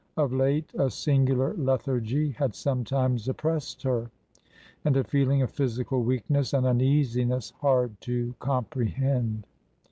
Of late a singular lethargy had sometimes oppressed her, and a feeling of physical weakness and uneasiness hard to comprehend.